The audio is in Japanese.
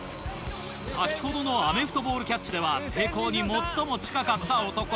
先ほどのアメフトボールキャッチでは成功に最も近かった男。